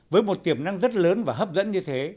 với một tiềm năng rất lớn và hấp dẫn như thế